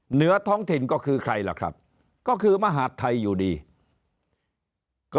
เหนือท้องถิ่นก็คือใครล่ะครับก็คือมหาดไทยอยู่ดีก็